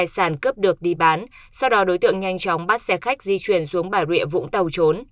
sau đó đối tượng nhanh chóng bắt xe khách di chuyển xuống bà rịa vũng tàu trốn